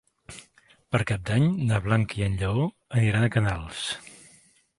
Per Cap d'Any na Blanca i en Lleó aniran a Canals.